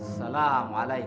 saya arahnya wherein